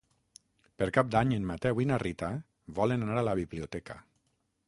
Per Cap d'Any en Mateu i na Rita volen anar a la biblioteca.